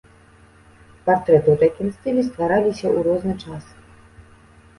Партрэты ў такім стылі ствараліся ў розны час.